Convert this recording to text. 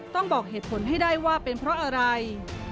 ต้องบอกเหตุผลให้ได้ว่าเป็นเพราะอะไร